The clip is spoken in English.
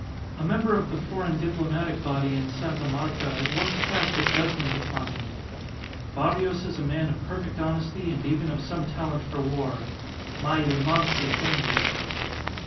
A member of the foreign diplomatic body in Sta. Marta had once passed a judgment upon him: "Barrios is a man of perfect honesty and even of some talent for war, mais il manque de tenue."